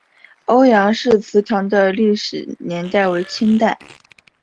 欧阳氏祠堂的历史年代为清代。